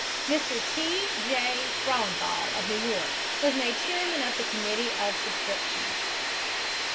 "Mr. T. G. Frauenthal, of New York, was made chairman of the Committee on Subscriptions.